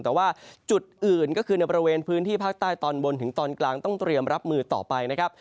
แต่ว่าจุดอื่นก็คือในบริเวณพื้นที่ภาคใต้ตอนบนถึงตอนกลางต้องเตรียมรับมือต่อไปนะครับ